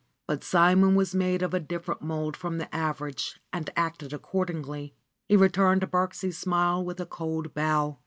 But Simon was made of a different mold from the average and acted accordingly. He returned Birksie's smile with a cold bow.